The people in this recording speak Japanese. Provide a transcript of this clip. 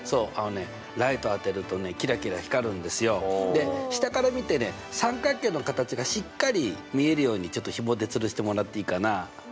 で下から見てね三角形の形がしっかり見えるようにちょっとひもでつるしてもらっていいかな。